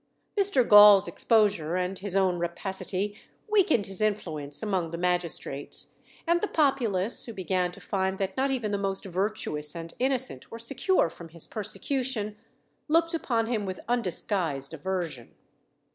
Mr. Gaul's exposure and his own rapacity weakened his influence among the magistrates; and the populace, who began to find that not even the most virtuous and innocent were secure from his persecution, looked upon him with undisguised aversion.